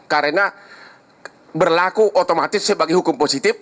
karena berlaku otomatis sebagai hukum positif